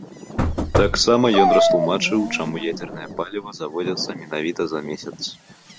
Таксама ён растлумачыў, чаму ядзернае паліва завозіцца менавіта за месяц.